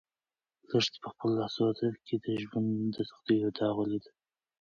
لښتې په خپلو لاسو کې د ژوند د سختیو یو داغ ولید.